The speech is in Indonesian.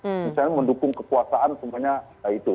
misalnya mendukung kekuasaan semuanya itu